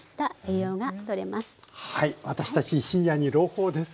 私たちシニアに朗報です。